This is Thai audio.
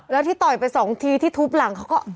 แล้วที่ต่อยไปสองทีที่ทุบหลังเขาก็